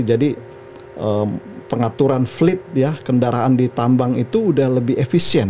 jadi pengaturan fleet ya kendaraan di tambang itu udah lebih efisien